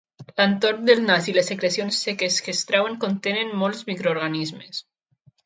L'entorn del nas i les secrecions seques que es treuen contenen molts microorganismes.